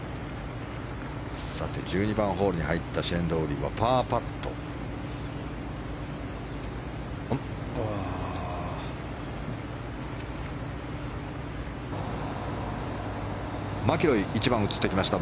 １２番ホールに入ったシェーン・ロウリーはパーパットでした。